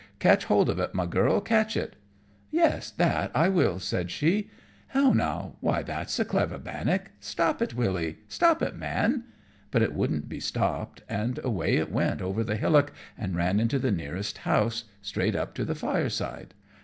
Catch hold of it, my Girl; catch it." "Yes, that I will," said she. "How now! why that's a clever bannock. Stop it, Willie; stop it, Man." But it wouldn't be stopped, and away it went over the hillock and ran into the nearest house, straight up to the fire side.